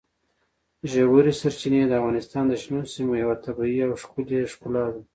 ژورې سرچینې د افغانستان د شنو سیمو یوه طبیعي او ښکلې ښکلا ده.